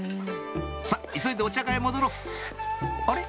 さぁ急いでお茶会へ戻ろう「あれ？